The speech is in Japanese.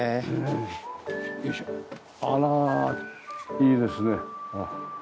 あらいいですね。